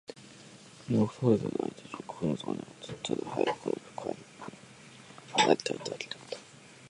残された隊員達に感想はなかった。ただ、早くこの不快な臭いの立ち込める港町から離れたいだけだった。